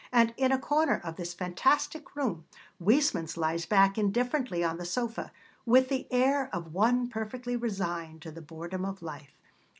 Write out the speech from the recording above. And in a corner of this fantastic room, Huysmans lies back indifferently on the sofa, with the air of one perfectly resigned to the boredom of life.